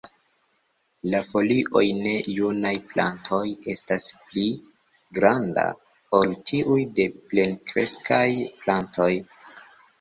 La folioj de junaj plantoj estas pli granda ol tiuj de plenkreskaj plantoj.